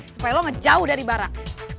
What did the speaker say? supaya lo ngejauh dari barang